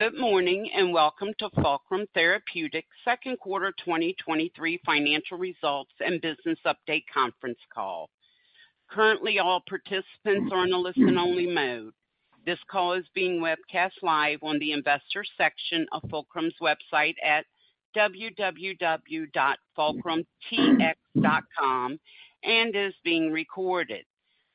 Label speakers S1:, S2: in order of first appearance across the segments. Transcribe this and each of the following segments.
S1: Good morning, and welcome to Fulcrum Therapeutics' second quarter 2023 financial results and business update conference call. Currently, all participants are in a listen-only mode. This call is being webcast live on the Investors section of Fulcrum's website at www.fulcrumtx.com and is being recorded.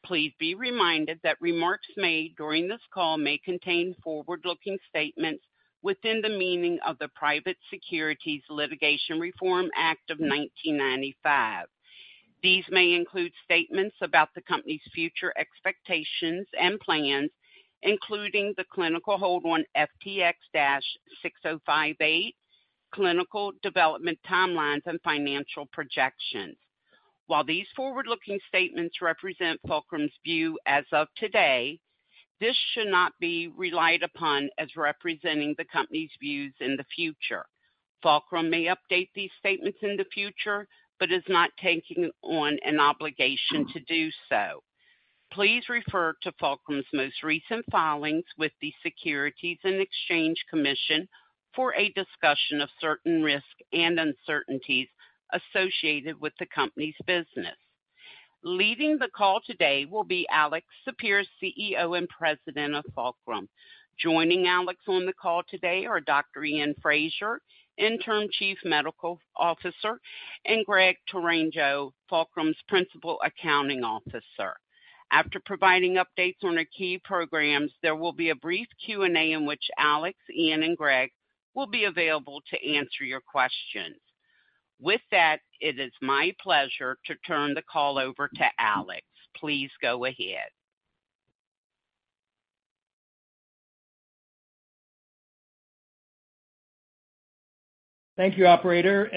S1: Please be reminded that remarks made during this call may contain forward-looking statements within the meaning of the Private Securities Litigation Reform Act of 1995. These may include statements about the company's future expectations and plans, including the clinical hold on FTX-6058, clinical development timelines, and financial projections. While these forward-looking statements represent Fulcrum's view as of today, this should not be relied upon as representing the company's views in the future. Fulcrum may update these statements in the future, but is not taking on an obligation to do so. Please refer to Fulcrum's most recent filings with the Securities and Exchange Commission for a discussion of certain risks and uncertainties associated with the company's business. Leading the call today will be Alex Sapir, CEO and President of Fulcrum. Joining Alex on the call today are Dr. Iain Fraser, Interim Chief Medical Officer, and Greg Tourangeau, Fulcrum's Principal Accounting Officer. After providing updates on their key programs, there will be a brief Q&A in which Alex, Iain, and Greg will be available to answer your questions. With that, it is my pleasure to turn the call over to Alex. Please go ahead.
S2: Thank you, operator,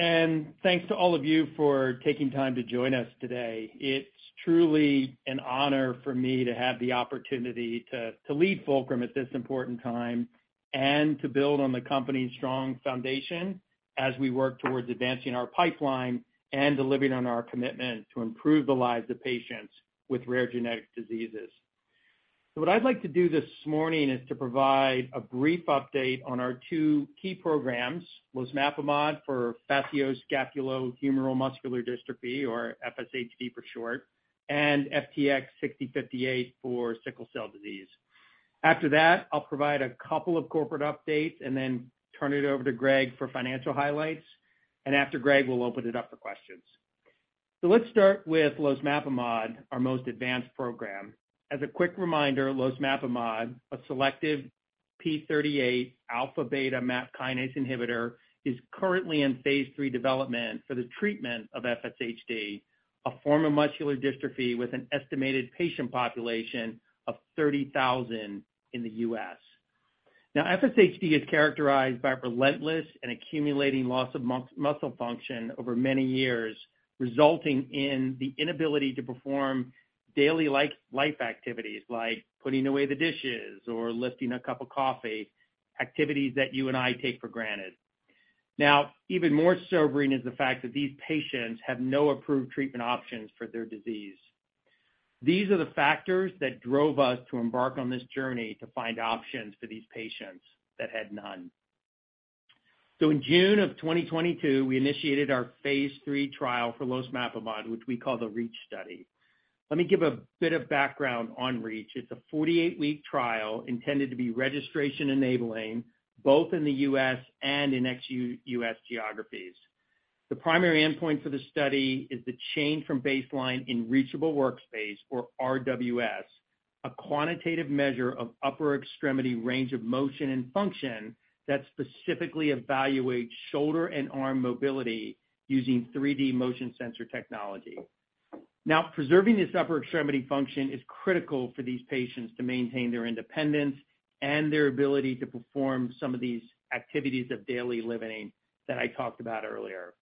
S2: thanks to all of you for taking time to join us today. It's truly an honor for me to have the opportunity to lead Fulcrum at this important time and to build on the company's strong foundation as we work towards advancing our pipeline and delivering on our commitment to improve the lives of patients with rare genetic diseases. What I'd like to do this morning is to provide a brief update on our two key programs, losmapimod for facioscapulohumeral muscular dystrophy, or FSHD for short, and FTX-6058 for sickle cell disease. After that, I'll provide a couple of corporate updates, then turn it over to Greg for financial highlights. After Greg, we'll open it up for questions. Let's start with losmapimod, our most advanced program. As a quick reminder, losmapimod, a selective p38 alpha beta MAP kinase inhibitor, is currently in phase III development for the treatment of FSHD, a form of muscular dystrophy with an estimated patient population of 30,000 in the U.S. FSHD is characterized by relentless and accumulating loss of muscle function over many years, resulting in the inability to perform daily life activities, like putting away the dishes or lifting a cup of coffee, activities that you and I take for granted. Even more sobering is the fact that these patients have no approved treatment options for their disease. These are the factors that drove us to embark on this journey to find options for these patients that had none. In June of 2022, we initiated our phase III trial for losmapimod, which we call the REACH study. Let me give a bit of background on REACH. It's a 48-week trial intended to be registration-enabling both in the U.S. and in ex-U.S. geographies. The primary endpoint for the study is the change from baseline in Reachable Workspace, or RWS, a quantitative measure of upper extremity range of motion and function that specifically evaluates shoulder and arm mobility using 3D motion sensor technology. Now, preserving this upper extremity function is critical for these patients to maintain their independence and their ability to perform some of these activities of daily living that I talked about earlier.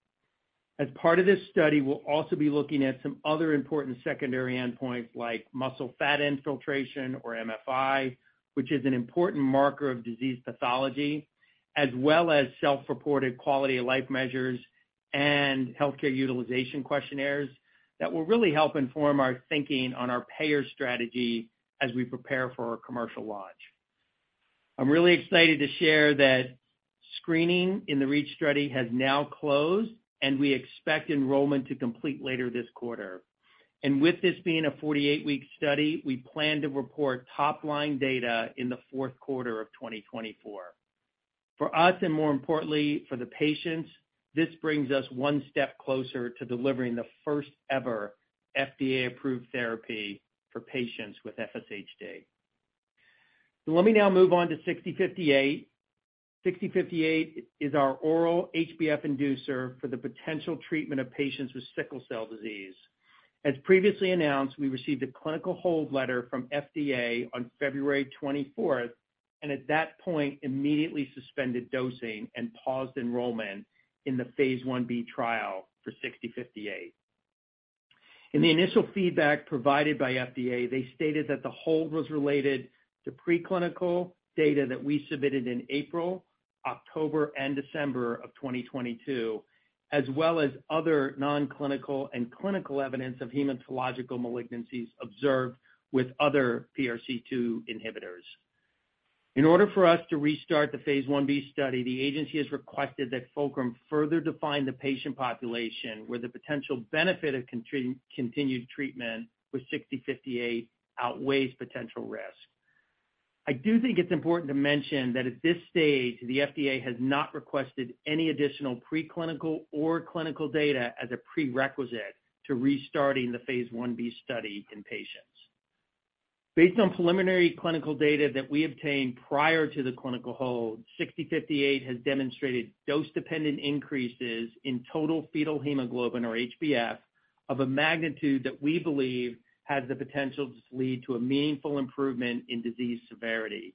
S2: As part of this study, we'll also be looking at some other important secondary endpoints, like muscle fat infiltration, or MFI, which is an important marker of disease pathology, as well as self-reported quality-of-life measures and healthcare utilization questionnaires that will really help inform our thinking on our payer strategy as we prepare for our commercial launch. I'm really excited to share that screening in the REACH study has now closed, and we expect enrollment to complete later this quarter. With this being a 48-week study, we plan to report top-line data in the fourth quarter of 2024. For us, and more importantly, for the patients, this brings us one step closer to delivering the first-ever FDA-approved therapy for patients with FSHD. Let me now move on to 6058. 6058 is our oral HPF inducer for the potential treatment of patients with sickle cell disease. As previously announced, we received a clinical hold letter from FDA on February 24th, and at that point, immediately suspended dosing and paused enrollment in the phase Ib trial for FTX-6058. In the initial feedback provided by FDA, they stated that the hold was related to preclinical data that we submitted in October and December of 2022, as well as other non-clinical and clinical evidence of hematological malignancies observed with other PRC2 inhibitors. In order for us to restart the phase Ib study, the agency has requested that Fulcrum further define the patient population where the potential benefit of continued treatment with FTX-6058 outweighs potential risk. I do think it is important to mention that at this stage, the FDA has not requested any additional preclinical or clinical data as a prerequisite to restarting the phase Ib study in patients. Based on preliminary clinical data that we obtained prior to the clinical hold, 6058 has demonstrated dose-dependent increases in total fetal hemoglobin, or HBF, of a magnitude that we believe has the potential to lead to a meaningful improvement in disease severity.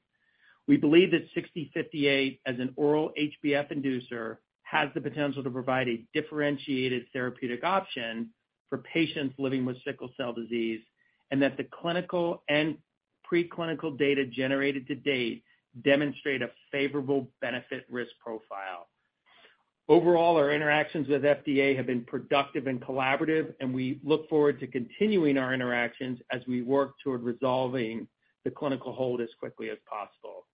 S2: We believe that 6058, as an oral HBF inducer, has the potential to provide a differentiated therapeutic option for patients living with sickle cell disease, and that the clinical and preclinical data generated to date demonstrate a favorable benefit-risk profile. Overall, our interactions with FDA have been productive and collaborative, and we look forward to continuing our interactions as we work toward resolving the clinical hold as quickly as possible.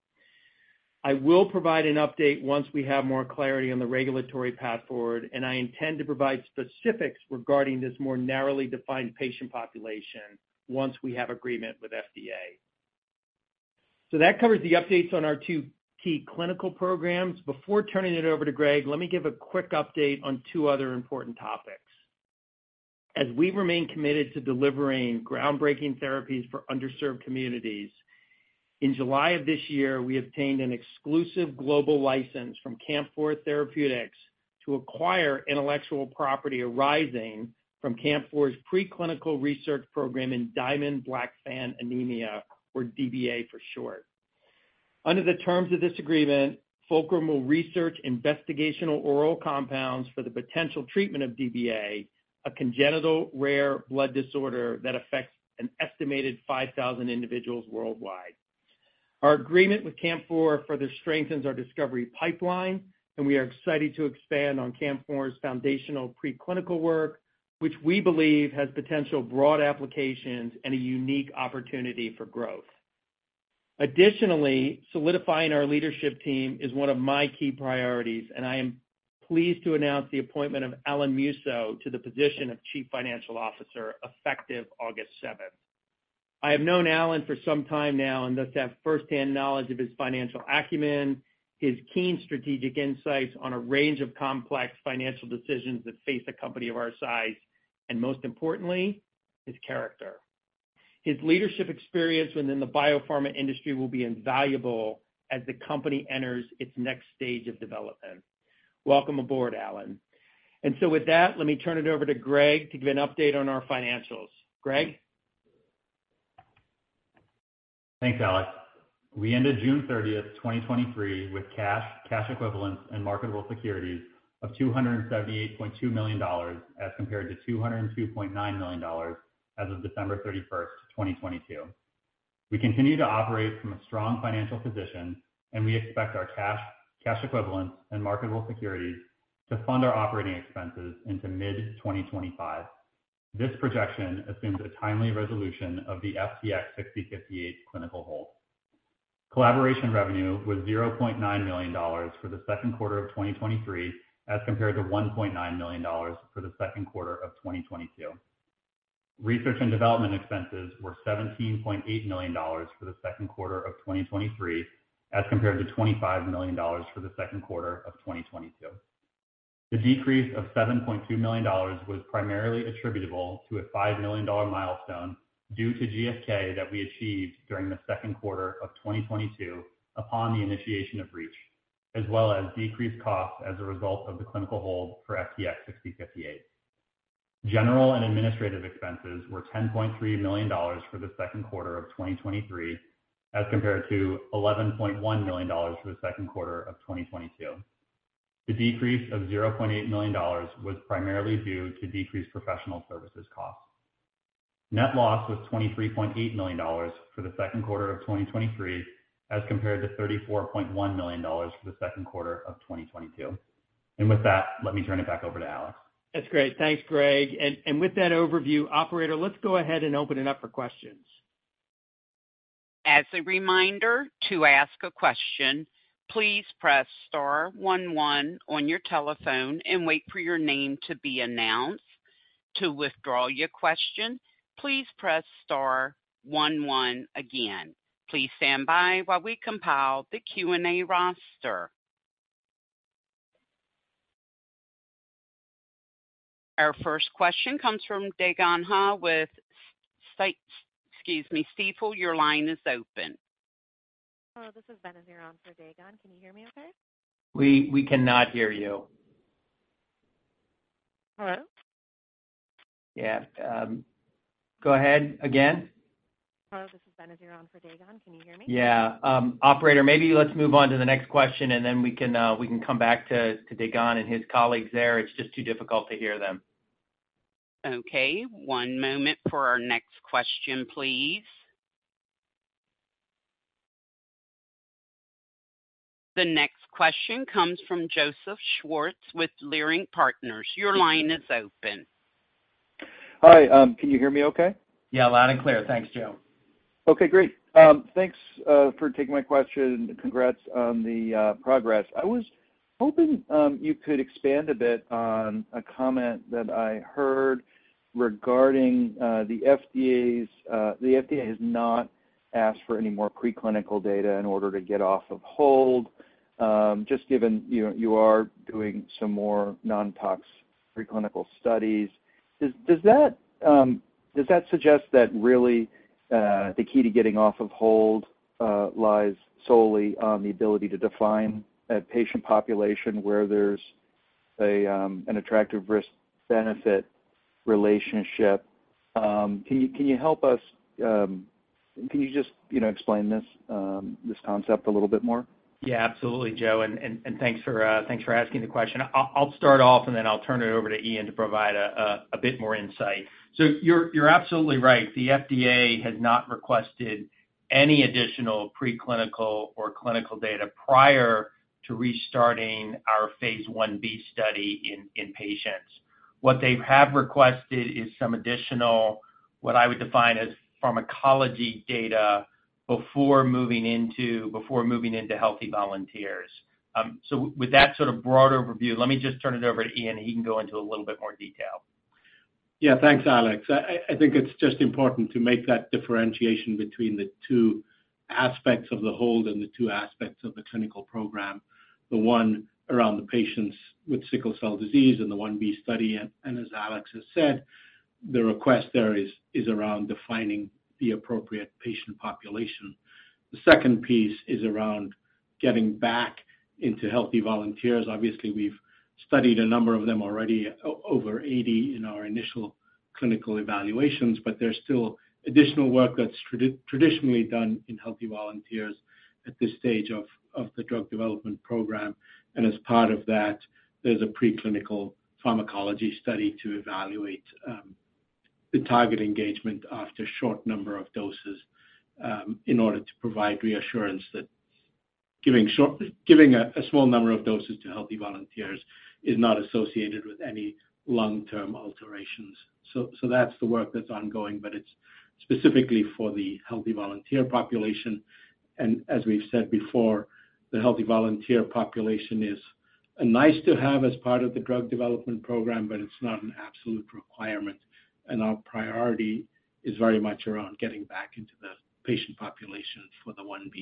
S2: I will provide an update once we have more clarity on the regulatory path forward, and I intend to provide specifics regarding this more narrowly defined patient population once we have agreement with FDA. That covers the updates on our two key clinical programs. Before turning it over to Greg, let me give a quick update on two other important topics. As we remain committed to delivering groundbreaking therapies for underserved communities, in July of this year, we obtained an exclusive global license from CAMP4 Therapeutics to acquire intellectual property arising from CAMP4's preclinical research program in Diamond-Blackfan anemia, or DBA for short. Under the terms of this agreement, Fulcrum will research investigational oral compounds for the potential treatment of DBA, a congenital rare blood disorder that affects an estimated 5,000 individuals worldwide. Our agreement with CAMP4 further strengthens our discovery pipeline, and we are excited to expand on CAMP4's foundational preclinical work, which we believe has potential broad applications and a unique opportunity for growth. Additionally, solidifying our leadership team is one of my key priorities, and I am pleased to announce the appointment of Alan Musso to the position of Chief Financial Officer, effective August 7th. I have known Alan for some time now, and thus have firsthand knowledge of his financial acumen, his keen strategic insights on a range of complex financial decisions that face a company of our size, and most importantly, his character. His leadership experience within the biopharma industry will be invaluable as the company enters its next stage of development. Welcome aboard, Alan. With that, let me turn it over to Greg to give an update on our financials. Greg?
S3: Thanks, Alex. We ended June 30th, 2023, with cash, cash equivalents, and marketable securities of $278.2 million, as compared to $202.9 million as of December 31st, 2022. We continue to operate from a strong financial position, and we expect our cash, cash equivalents, and marketable securities to fund our operating expenses into mid-2025. This projection assumes a timely resolution of the FTX-6058 clinical hold. Collaboration revenue was $0.9 million for the second quarter of 2023, as compared to $1.9 million for the second quarter of 2022. Research and development expenses were $17.8 million for the second quarter of 2023, as compared to $25 million for the second quarter of 2022. The decrease of $7.2 million was primarily attributable to a $5 million milestone due to GSK that we achieved during the second quarter of 2022 upon the initiation of reach, as well as decreased costs as a result of the clinical hold for FTX-6058. General and administrative expenses were $10.3 million for the second quarter of 2023, as compared to $11.1 million for the second quarter of 2022. The decrease of $0.8 million was primarily due to decreased professional services costs. Net loss was $23.8 million for the second quarter of 2023, as compared to $34.1 million for the second quarter of 2022. With that, let me turn it back over to Alex.
S2: That's great. Thanks, Greg. With that overview, operator, let's go ahead and open it up for questions.
S1: As a reminder, to ask a question, please press star one one on your telephone and wait for your name to be announced. To withdraw your question, please press star one one again. Please stand by while we compile the Q&A roster. Our first question comes from Dae Gon Ha with excuse me, Stifel. Your line is open.
S4: Hello, this is Benazir Ali for Dae Gon. Can you hear me okay?
S2: We, we cannot hear you.
S4: Hello?
S2: Yeah, go ahead again.
S4: Hello, this is Benazir Ali for Dae Gon. Can you hear me?
S2: Yeah. Operator, maybe let's move on to the next question, and then we can come back to Dae Gon and his colleagues there. It's just too difficult to hear them.
S1: Okay, one moment for our next question, please. The next question comes from Joseph Schwartz with Leerink Partners. Your line is open.
S5: Hi, can you hear me okay?
S2: Yeah, loud and clear. Thanks, Joe.
S5: Okay, great. Thanks for taking my question, and congrats on the progress. I was hoping you could expand a bit on a comment that I heard regarding the FDA's-- the FDA has not asked for any more preclinical data in order to get off of hold, just given, you know, you are doing some more non-tox preclinical studies. Does, does that suggest that really the key to getting off of hold lies solely on the ability to define a patient population where there's an attractive risk-benefit relationship? Can you, can you help us, can you just, you know, explain this concept a little bit more?
S2: Yeah, absolutely, Joe, and thanks for asking the question. I'll, I'll start off, and then I'll turn it over to Iain to provide a bit more insight. You're, you're absolutely right. The FDA has not requested any additional preclinical or clinical data prior to restarting our phase Ib study in, in patients. What they have requested is some additional, what I would define as pharmacology data before moving into, before moving into healthy volunteers. With that sort of broader overview, let me just turn it over to Iain, and he can go into a little bit more detail.
S6: Yeah. Thanks, Alex. I think it's just important to make that differentiation between the two aspects of the hold and the two aspects of the clinical program, the one around the patients with sickle cell disease and the Ib study, and as Alex has said, the request there is around defining the appropriate patient population. The second piece is around getting back into healthy volunteers. Obviously, we've studied a number of them already, over 80 in our initial clinical evaluations, but there's still additional work that's traditionally done in healthy volunteers at this stage of the drug development program. As part of that, there's a preclinical pharmacology study to evaluate the target engagement after short number of doses in order to provide reassurance that giving a small number of doses to healthy volunteers is not associated with any long-term alterations. That's the work that's ongoing, but it's specifically for the healthy volunteer population. As we've said before, the healthy volunteer population is nice to have as part of the drug development program, but it's not an absolute requirement. Our priority is very much around getting back into the patient population for the Ib.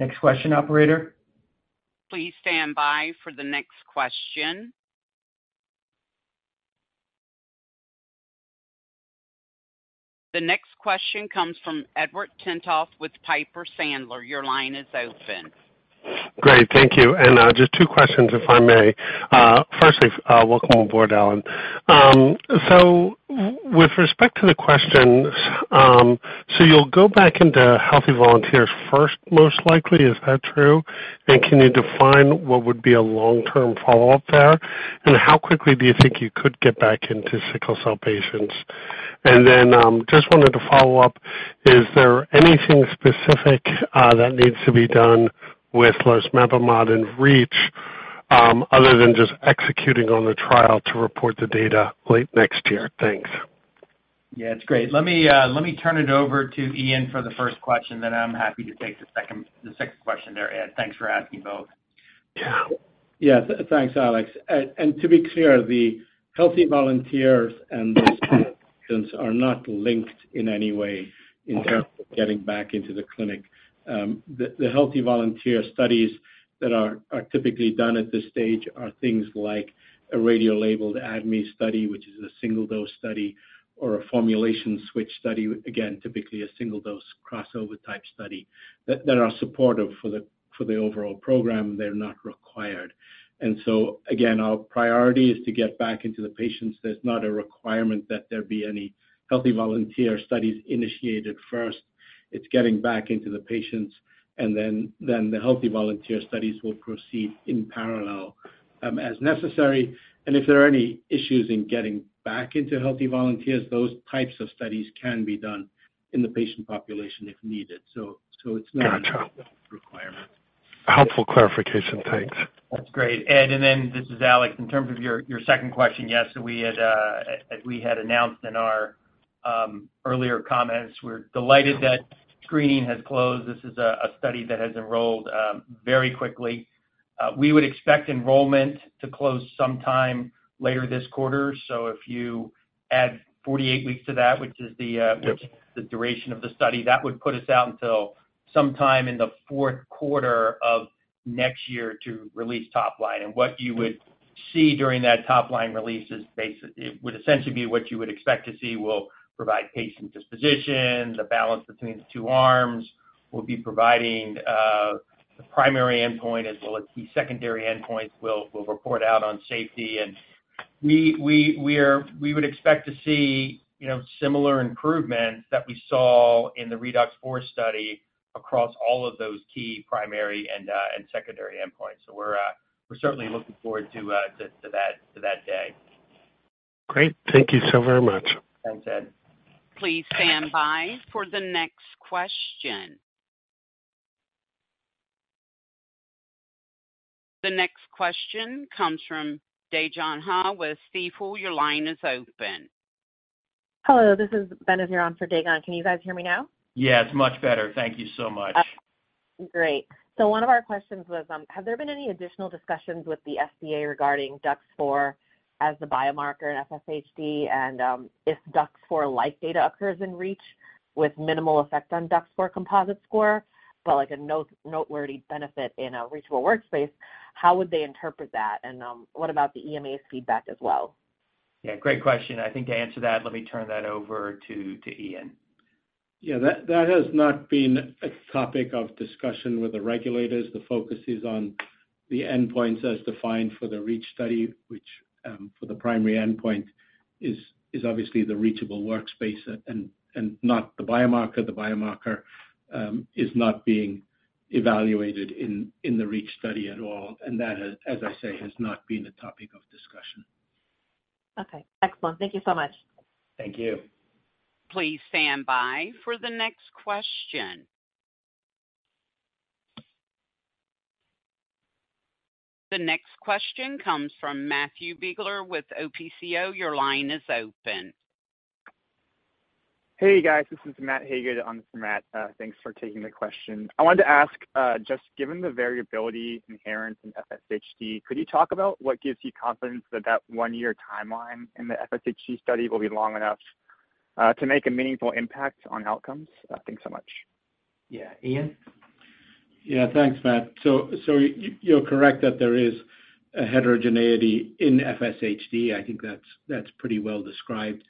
S2: Next question, operator.
S1: Please stand by for the next question. The next question comes from Edward Tenthoff with Piper Sandler. Your line is open.
S7: Great. Thank you. Just two questions, if I may. Firstly, welcome aboard, Alan. With respect to the questions, you'll go back into healthy volunteers first, most likely. Is that true? Can you define what would be a long-term follow-up there? How quickly do you think you could get back into sickle cell patients? Just wanted to follow-up, is there anything specific that needs to be done with losmapimod in REACH, other than just executing on the trial to report the data late next year? Thanks.
S2: Yeah, it's great. Let me, let me turn it over to Iain for the first question. I'm happy to take the second, the second question there, Ed. Thanks for asking both.
S7: Yeah.
S6: Yeah. Thanks, Alex. To be clear, the healthy volunteers and those patients are not linked in any way.
S7: Okay.
S6: -in terms of getting back into the clinic. The, the healthy volunteer studies that are, are typically done at this stage are things like a radiolabeled ADME study, which is a single-dose study, or a formulation switch study, again, typically a single-dose crossover type study, that, that are supportive for the, for the overall program. They're not required. So, again, our priority is to get back into the patients. There's not a requirement that there be any healthy volunteer studies initiated first. It's getting back into the patients, and then, then the healthy volunteer studies will proceed in parallel, as necessary. If there are any issues in getting back into healthy volunteers, those types of studies can be done in the patient population if needed. It's not-
S7: Gotcha.
S6: a requirement.
S7: Helpful clarification. Thanks.
S2: That's great, Ed. This is Alex. In terms of your, your second question, yes, we had as we had announced in our earlier comments, we're delighted that screening has closed. This is a, a study that has enrolled very quickly. We would expect enrollment to close sometime later this quarter. If you add 48 weeks to that, which is the.
S7: Yep
S2: Which is the duration of the study, that would put us out until sometime in the fourth quarter of next year to release top line. What you would see during that top line release is it would essentially be what you would expect to see. We'll provide patient disposition, the balance between the two arms. We'll be providing the primary endpoint as well as the secondary endpoint. We'll, we'll report out on safety. We, we would expect to see, you know, similar improvements that we saw in the ReDUX4 study across all of those key primary and secondary endpoints. We're, we're certainly looking forward to, to, to that, to that day.
S7: Great. Thank you so very much.
S2: Thanks, Ed.
S1: Please stand by for the next question. The next question comes from Dae Gon Ha with Stifel. Your line is open.
S4: Hello, this is Benazir Ali for Dae Gon. Can you guys hear me now?
S2: Yes, much better. Thank you so much.
S4: Great. One of our questions was, have there been any additional discussions with the FDA regarding DUX4 as the biomarker in FSHD, and if DUX4 life data occurs in reach with minimal effect on DUX4 composite score, but like a noteworthy benefit in a reachable workspace, how would they interpret that? What about the EMA's feedback as well?
S2: Yeah, great question. I think to answer that, let me turn that over to Iain.
S6: Yeah, that, that has not been a topic of discussion with the regulators. The focus is on the endpoints as defined for the REACH study, which, for the primary endpoint is, is obviously the reachable workspace and, and not the biomarker. The biomarker is not being evaluated in, in the REACH study at all, that has, as I say, has not been a topic of discussion.
S4: Okay, excellent. Thank you so much.
S2: Thank you.
S1: Please stand by for the next question. The next question comes from Matthew Biegler with OPCO. Your line is open.
S8: Hey, guys, this is Matt Hagood on for Matt. Thanks for taking the question. I wanted to ask, just given the variability inherent in FSHD, could you talk about what gives you confidence that that one-year timeline in the FSHD study will be long enough, to make a meaningful impact on outcomes? Thanks so much.
S2: Yeah. Iain?
S6: Yeah, thanks, Matt. You, you're correct that there is a heterogeneity in FSHD. I think that's, that's pretty well described.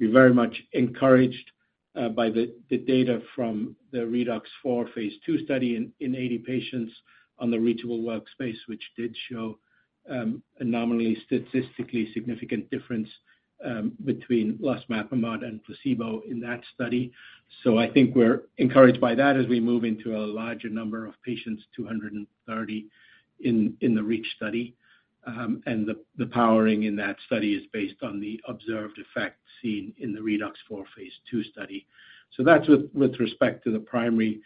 S6: We're very much encouraged by the, the data from the ReDUX4 phase II study in, in 80 patients on the reachable workspace, which did show a nominally statistically significant difference between losmapimod and placebo in that study. I think we're encouraged by that as we move into a larger number of patients, 230 in, in the REACH study. The, the powering in that study is based on the observed effect seen in the ReDUX4 phase II study. That's with, with respect to the primary.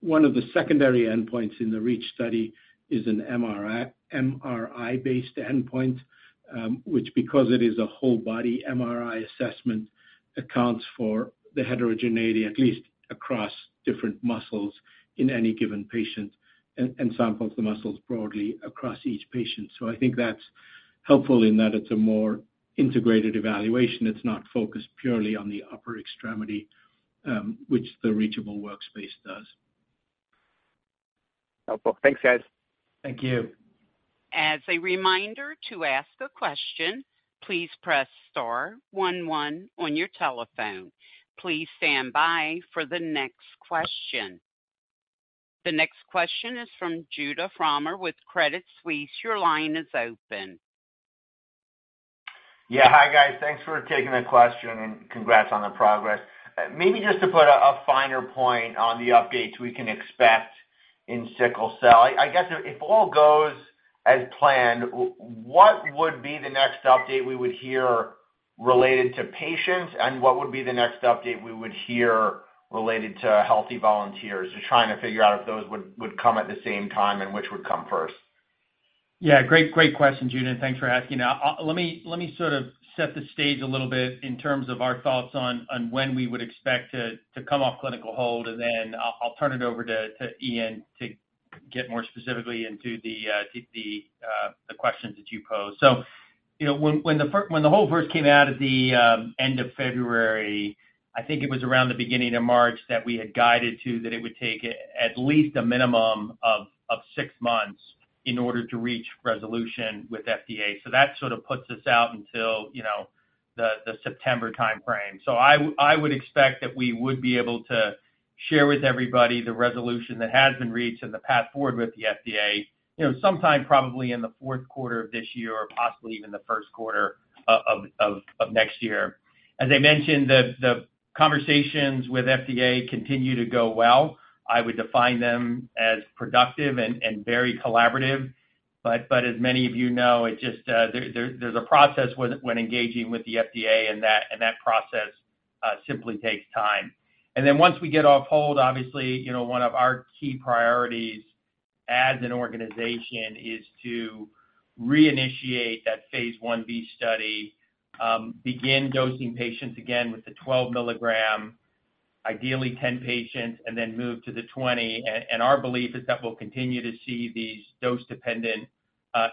S6: One of the secondary endpoints in the REACH study is an MRI, MRI-based endpoint, which, because it is a whole body MRI assessment, accounts for the heterogeneity, at least across different muscles in any given patient, and, and samples the muscles broadly across each patient. I think that's helpful in that it's a more integrated evaluation. It's not focused purely on the upper extremity, which the reachable workspace does.
S8: Wonderful. Thanks, guys.
S2: Thank you.
S1: As a reminder, to ask a question, please press star one one on your telephone. Please stand by for the next question. The next question is from Judah Frommer with Credit Suisse. Your line is open.
S9: Yeah. Hi, guys. Thanks for taking the question. Congrats on the progress. Maybe just to put a finer point on the updates we can expect in sickle cell. I guess if all goes as planned, what would be the next update we would hear related to patients, and what would be the next update we would hear related to healthy volunteers? Just trying to figure out if those would come at the same time and which would come first.
S2: Yeah, great, great question, Judah, thanks for asking. Let me sort of set the stage a little bit in terms of our thoughts on, on when we would expect to come off clinical hold, and then I'll turn it over to Iain to get more specifically into the, to the questions that you posed. You know, when, when the hold first came out at the end of February, I think it was around the beginning of March that we had guided to that it would take at least a minimum of six months in order to reach resolution with FDA. That sort of puts us out until, you know, the, the September time frame. I would expect that we would be able to share with everybody the resolution that has been reached and the path forward with the FDA, you know, sometime probably in the fourth quarter of this year or possibly even the first quarter of next year. As I mentioned, the conversations with FDA continue to go well. I would define them as productive and very collaborative. But as many of you know, it just, there, there's a process when engaging with the FDA, and that, and that process simply takes time. Then once we get off hold, obviously, you know, one of our key priorities as an organization is to reinitiate that phase Ib study, begin dosing patients again with the 12 mg, ideally 10 patients, and then move to the 20. Our belief is that we'll continue to see these dose-dependent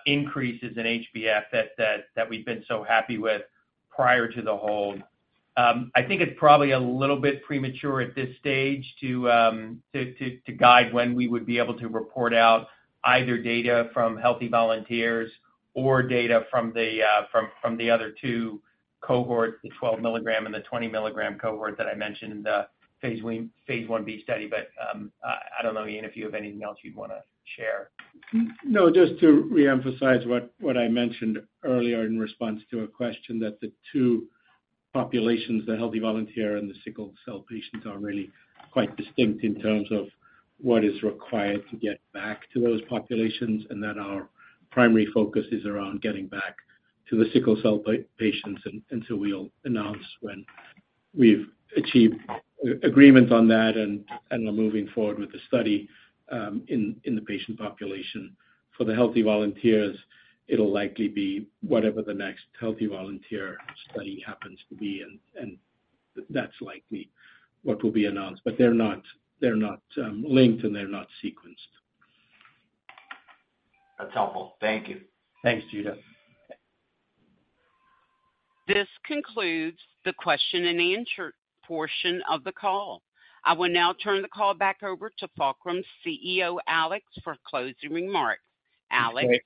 S2: increases in HBF that, that, that we've been so happy with prior to the hold. I think it's probably a little bit premature at this stage to to, to, to guide when we would be able to report out either data from healthy volunteers or data from the from, from the other two cohort, the 12 mg and the 20 mg cohort that I mentioned in the phase Ib study. I don't know, Iain, if you have anything else you'd wanna share.
S6: No, just to reemphasize what, what I mentioned earlier in response to a question, that the two populations, the healthy volunteer and the sickle cell patients, are really quite distinct in terms of what is required to get back to those populations, and that our primary focus is around getting back to the sickle cell patients. So we'll announce when we've achieved agreement on that, and we're moving forward with the study in the patient population. For the healthy volunteers, it'll likely be whatever the next healthy volunteer study happens to be, and that's likely what will be announced. They're not, they're not linked, and they're not sequenced.
S9: That's helpful. Thank you.
S6: Thanks, Judah.
S1: This concludes the question and answer portion of the call. I will now turn the call back over to Fulcrum's CEO, Alex, for closing remarks. Alex?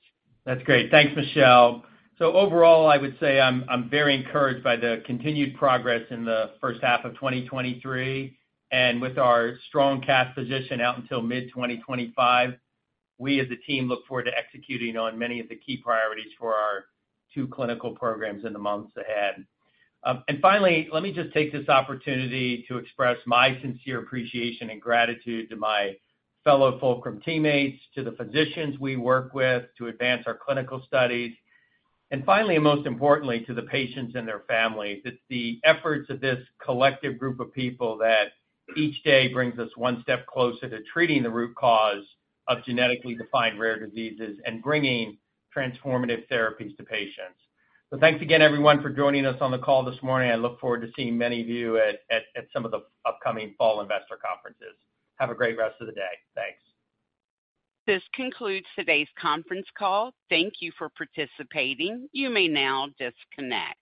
S2: That's great. Thanks, Michelle. Overall, I would say I'm very encouraged by the continued progress in the first half of 2023. With our strong cash position out until mid-2025, we, as a team, look forward to executing on many of the key priorities for our two clinical programs in the months ahead. Finally, let me just take this opportunity to express my sincere appreciation and gratitude to my fellow Fulcrum teammates, to the physicians we work with to advance our clinical studies, and finally, and most importantly, to the patients and their families. It's the efforts of this collective group of people that each day brings us one step closer to treating the root cause of genetically defined rare diseases and bringing transformative therapies to patients. Thanks again, everyone, for joining us on the call this morning. I look forward to seeing many of you at some of the upcoming fall investor conferences. Have a great rest of the day. Thanks.
S1: This concludes today's conference call. Thank you for participating. You may now disconnect.